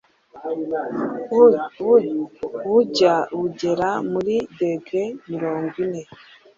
bujya bugera muri Degree mirongo ine